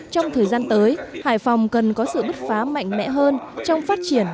trong thời gian tới hải phòng cần có sự bứt phá mạnh mẽ hơn trong phát triển